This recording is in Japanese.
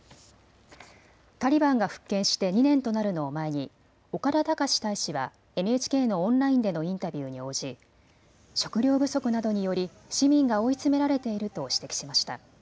タリバンが復権して２年となるのを前に岡田隆大使はＮＨＫのオンラインでのインタビューに応じ食料不足などにより市民が追い詰められていると指摘しました。